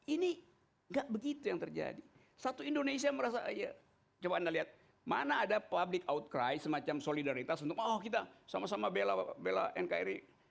ini nggak begitu yang terjadi satu indonesia merasa coba anda lihat mana ada public outcry semacam solidaritas untuk oh kita sama sama bela nkri